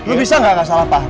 lo bisa gak gak salah paham